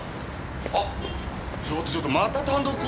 あっちょっとちょっとまた単独行動ですか？